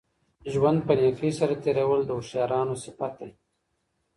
ژوند په نېکۍ سره تېرول د هوښیارانو صفت دی.